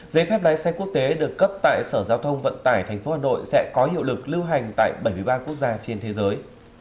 giấy phép lái xe quốc tế được cấp tại sở giao thông vận tải tp hà nội sẽ có hiệu lực lưu hành tại bảy mươi ba quốc gia trên thế giới